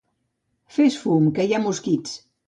Fes fum que hi ha mosquits.